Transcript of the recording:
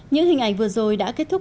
những hình ảnh vừa rồi đã kết thúc